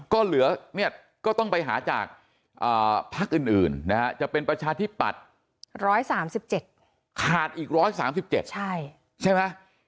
ก็เหลือเนี่ยก็ต้องไปหาจากพักอื่นนะฮะจะเป็นประชาธิปัตย์๑๓๗ขาดอีก๑๓๗ใช่ไหม